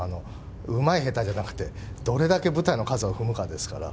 うまい下手じゃなくて、どれだけ舞台の数を踏むかですから。